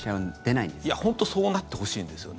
いや、本当そうなってほしいんですよね。